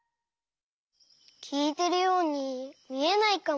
きいてるようにみえないかも。